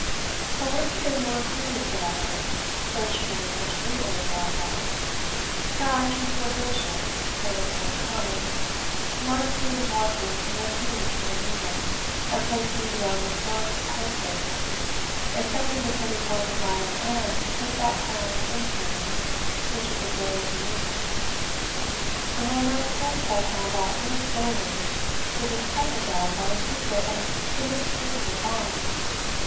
Her words have been more courteous than ever, though she knows such rumours are abroad her actions more gracious, her looks more kind nought seems wanting to make me King of England, and place me beyond the storms of court favour, excepting the putting forth of mine own hand to take that crown imperial which is the glory of the universe! And when I might stretch that hand out most boldly, it is fettered down by a secret and inextricable bond!